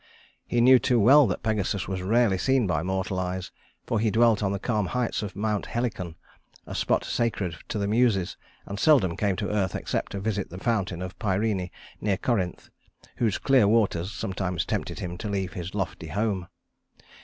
He knew too well that Pegasus was rarely seen by mortal eyes, for he dwelt on the calm heights of Mount Helicon, a spot sacred to the Muses, and seldom came to earth except to visit the fountain of Pirene, near Corinth, whose clear waters sometimes tempted him to leave his lofty home.